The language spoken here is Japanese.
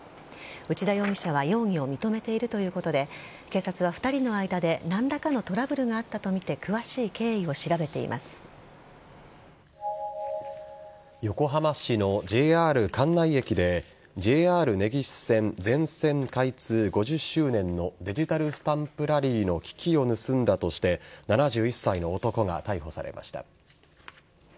内田容疑者は容疑を認めているということで警察は２人の間で何らかのトラブルがあったとみて横浜市のＪＲ関内駅でＪＲ根岸線全線開通５０周年のデジタルスタンプラリーの機器を盗んだとして７１歳の男が逮捕されました。